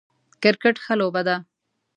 کرکټ ښه لوبه ده